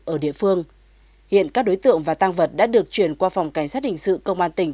ở địa phương hiện các đối tượng và tăng vật đã được chuyển qua phòng cảnh sát hình sự công an tỉnh